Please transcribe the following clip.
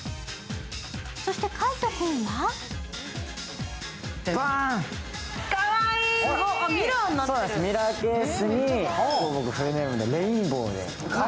そして海音君はミラーケースにレインボーで。